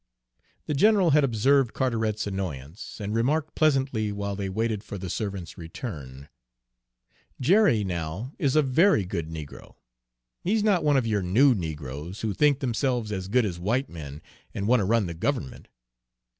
The general had observed Carteret's annoyance, and remarked pleasantly while they waited for the servant's return: "Jerry, now, is a very good negro. He's not one of your new negroes, who think themselves as good as white men, and want to run the government.